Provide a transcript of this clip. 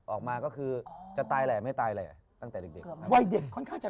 ออกมาก็คือจะตายแหล่ไม่ตายแหละตั้งแต่เด็กเด็กวัยเด็กค่อนข้างจะ